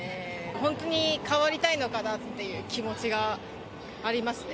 本当に変わりたいのかなっていう気持ちがありますね。